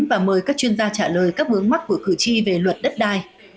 và mời các chuyên gia trả lời các bướng mắt của cử tri về luật đất đai